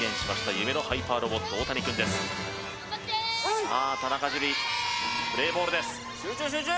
夢のハイパーロボットオオタニくんですさあ田中樹プレイボールです集中集中！